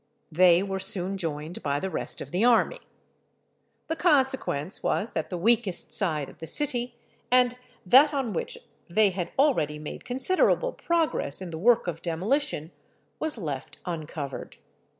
They were soon joined by the rest of the army. The consequence was that the weakest side of the city, and that on which they had already made considerable progress in the work of demolition, was left uncovered.